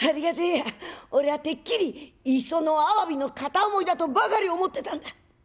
俺はてっきり『磯の鮑の片思い』だとばかり思ってたんだ。